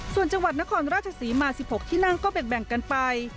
ส่วนจังหวัดนครราชศรีมา๑๖ที่นั่งก็แบ่งกันไป